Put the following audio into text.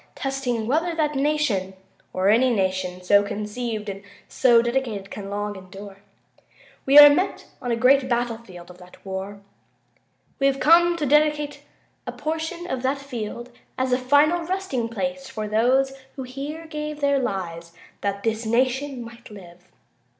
. .testing whether that nation, or any nation so conceived and so dedicated. .. can long endure. We are met on a great battlefield of that war. We have come to dedicate a portion of that field as a final resting place for those who here gave their lives that this nation might live.